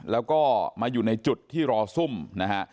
แล้วก็มาอยู่ในจุดที่รอซุ่มนะฮะ